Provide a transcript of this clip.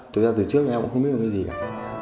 thực ra từ trước thì em cũng không biết là cái gì cả